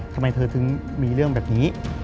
ทำไมเธอถึงมีเรื่องแบบนี้